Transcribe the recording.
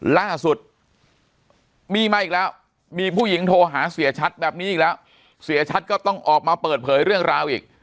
ล่าสุดมีมาอีกแล้วมีผู้หญิงโทรหาเสียชัดแบบนี้อีกแล้วเสียชัดก็ต้องออกมาเปิดเผยเรื่องราวอีก